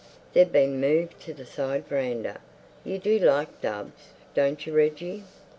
"They've been moved to the side veranda. You do like doves, don't you, Reggie?"